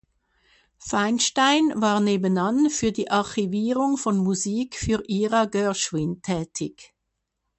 Feinstein war nebenan für die Archivierung von Musik für Ira Gershwin tätig.